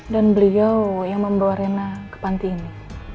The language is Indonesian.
dan beliau yang membawa rena ke pantai ini